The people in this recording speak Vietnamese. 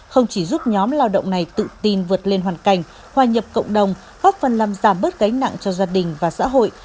không chỉ giúp nhóm lao động này tự tin vượt lên hoàn cảnh hòa nhập cộng đồng góp phần làm giảm bớt gánh nặng cho gia đình và xã hội